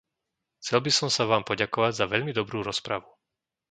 Chcel by som sa vám poďakovať za veľmi dobrú rozpravu.